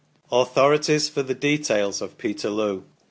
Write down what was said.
AUTHORITIES FOR THE DETAILS OF PETERLOO.